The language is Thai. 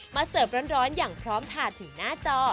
เสิร์ฟร้อนอย่างพร้อมทานถึงหน้าจอ